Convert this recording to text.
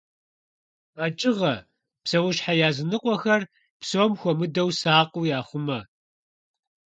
КъэкӀыгъэ, псэущхьэ языныкъуэхэр псом хуэмыдэу сакъыу яхъумэ.